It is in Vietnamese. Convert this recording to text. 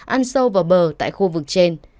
ăn sâu vào bờ tại khu vực trên